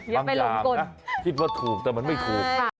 อย่างนะคิดว่าถูกแต่มันไม่ถูก